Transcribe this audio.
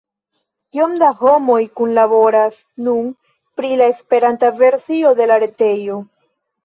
Kiom da homoj kunlaboras nun pri la Esperanta versio de la retejo?